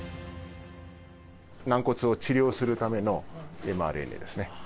軟骨を治療するためのｍＲＮＡですね。